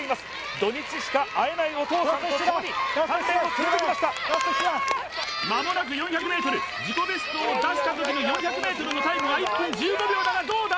土日しか会えないお父さんとともに鍛錬を積んできました間もなく４００ｍ自己ベストを出した時の４００ｍのタイムは１分１５秒だがどうだ？